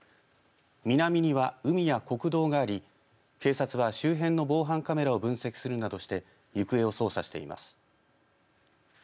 南には海や国道があり警察は周辺の防犯カメラを分析するなどして行方を捜査しています。